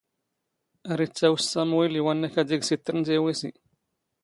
ⴰⵔ ⵉⵜⵜⴰⵡⵙ ⵙⴰⵎⵡⵉⵍ ⵉ ⵡⴰⵏⵏⴰ ⴽⴰ ⴷⵉⴳⵙ ⵉⵜⵜⵔⵏ ⵜⵉⵡⵉⵙⵉ.